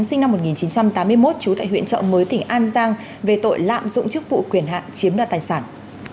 sinh năm một nghìn chín trăm tám mươi một trú tại huyện trọng mới tỉnh an giang về tội lạm dụng chức vụ quyền hạng chiếm đoàn tài sản